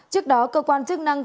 trước đó cơ quan chức năng